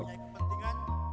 saya terima dihukum